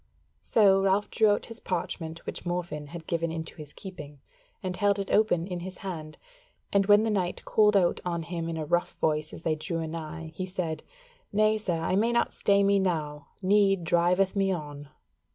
So Ralph drew out his parchment which Morfinn had given into his keeping, and held it open in his hand, and when the knight called out on him in a rough voice as they drew anigh, he said: "Nay, sir, I may not stay me now, need driveth me on."